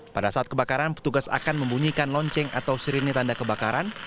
pada saat kebakaran petugas akan membunyikan lonceng atau sirine tanda kebakaran